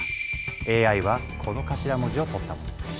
ＡＩはこの頭文字をとったもの。